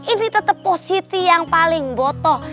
ini tetep positi yang paling botoh